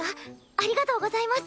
ありがとうございます。